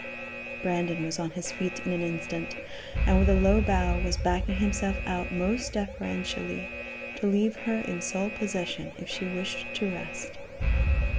Brandon was on his feet in an instant, and with a low bow was backing himself out most deferentially, to leave her in sole possession if she wished to rest.